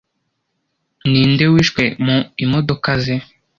Ninde wishwe mu imodoka ze